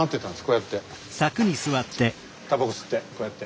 たばこ吸ってこうやって。